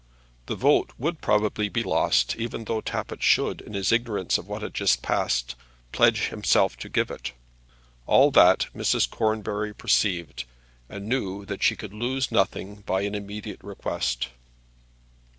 The vote would probably be lost, even though Tappitt should, in his ignorance of what had just passed, pledge himself to give it. All that Mrs. Cornbury perceived, and knew that she could lose nothing by an immediate request.